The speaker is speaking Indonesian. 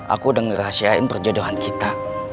aku udah ngerahasiain perjodohan kita